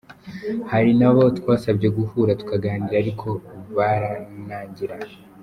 Hari n’abo twasabye guhura tukaganira ariko baranangira.